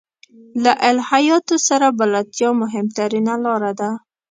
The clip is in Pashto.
له الهیاتو سره بلدتیا مهمترینه لاره ده.